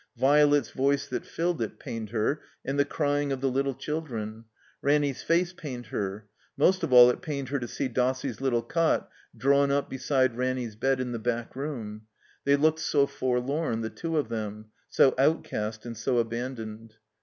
Violet's voice that filled it pained her, and the cry ing of the little children. Ranny's face pained her. Most of all it pained her to see Dossie's little cot drawn up beside Ranny's bed in the back room; they looked so forlorn, the two of them; so outcast and so abandoned.